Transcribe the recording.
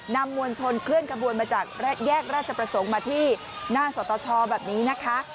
มวลชนเคลื่อนขบวนมาจากแยกราชประสงค์มาที่หน้าสตชแบบนี้นะคะ